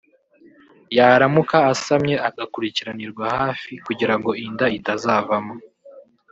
yaramuka asamye agakurikiranirwa hafi kugira ngo inda itazavamo